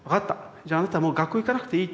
じゃあなたもう学校へ行かなくていい」。